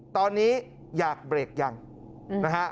ตอนนี้อยากเบรกยังนะฮะ